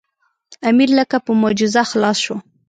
امیر لکه په معجزه خلاص شو.